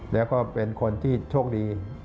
แล้วก็เป็นคนที่โชคดี